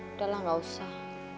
udah lah nggak usah